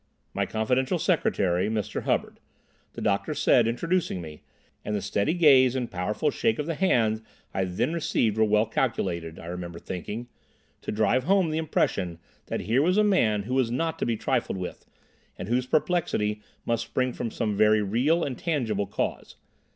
"My confidential secretary, Mr. Hubbard," the doctor said, introducing me, and the steady gaze and powerful shake of the hand I then received were well calculated, I remember thinking, to drive home the impression that here was a man who was not to be trifled with, and whose perplexity must spring from some very real and tangible cause.